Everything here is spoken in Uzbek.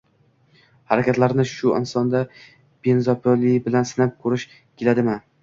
harakatlarini shu insonda benzopila bilan sinab ko‘rish keladimi?